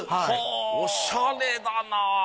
おしゃれだな。